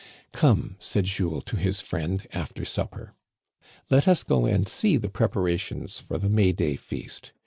"Come," said Jules to his friend after suppc, "let us go and see the preparations for the May day feast.